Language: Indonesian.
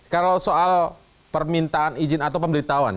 kalau soal permintaan izin atau pemberitahuan